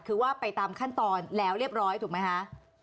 คือว่าไปตามขั้นตอนแล้วเรียบร้อยถูกไหมคะ